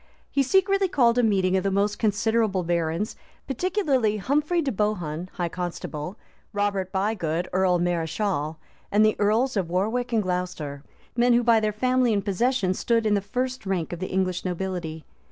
He secretly called a meeting of the most considerable barons, particularly Humphrey de Bohun, high constable, Roger Bigod, earl mareschal, and the earls of Warwick and Glocester; men who by their family and possessions stood in the first rank of the English nobility.